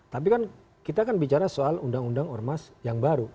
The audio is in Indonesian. tapi kan kita kan bicara soal undang undang ormas yang baru